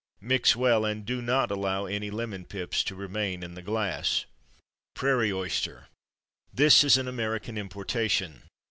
Mix well, and do not allow any lemon pips to remain in the glass. Prairie Oyster. This is an American importation.